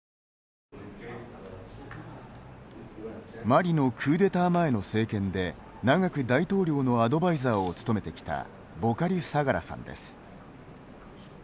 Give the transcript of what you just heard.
マリのクーデター前の政権で長く大統領のアドバイザーを務めてきたボカリ・サガラさんです。